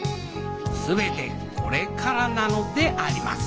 全てこれからなのであります